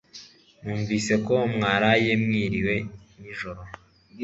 Numvise ko mwaraye mwiriwe nijoro